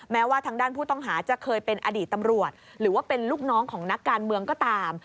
แม้ว่าทางด้านผู้ต้องหาจะเคยเป็นอดีตตำรวจหรือว่าเป็นลูกน้องของนักการเมืองก็ตาม